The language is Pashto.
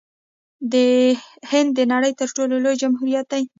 هند د نړۍ تر ټولو لوی جمهوریت دی.